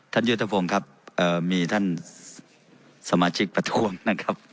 ท่านยุทธฟงครับมีท่านสมาชิกประธวงนะครับ